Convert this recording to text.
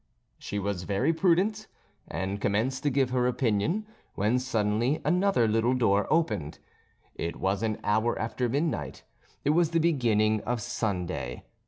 She was very prudent and commenced to give her opinion when suddenly another little door opened. It was an hour after midnight, it was the beginning of Sunday.